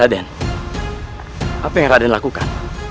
apa yang raden lakukan